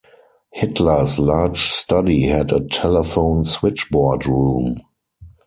Hitler's large study had a telephone switchboard room.